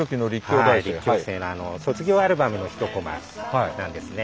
卒業アルバムの一コマなんですね。